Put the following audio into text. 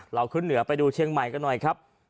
ขึ้นเหนือไปดูเชียงใหม่กันหน่อยครับ